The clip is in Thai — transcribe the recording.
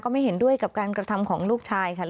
ไม่เห็นด้วยกับการกระทำของลูกชายค่ะ